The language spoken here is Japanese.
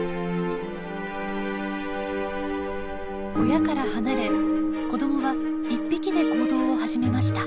親から離れ子どもは１匹で行動を始めました。